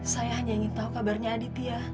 saya hanya ingin tahu kabarnya aditya